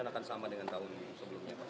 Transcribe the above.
dan akan sama dengan tahun sebelumnya